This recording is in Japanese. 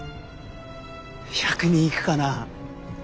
１００人いくかな？